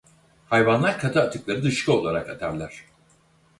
Hayvanlar katı atıkları dışkı olarak atarlar.